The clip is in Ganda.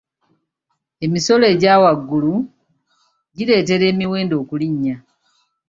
Emisolo egya waggulu gireetera emiwendo okulinnya.